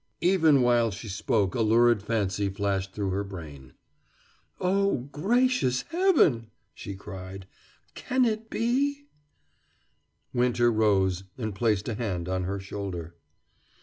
Even while she spoke a lurid fancy flashed through her brain. "Oh, gracious Heaven!" she cried. "Can it be " Winter rose and placed a hand on her shoulder.